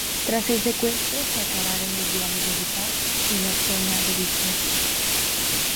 Tras el secuestro se acabaron los diálogos de paz y la zona de distensión.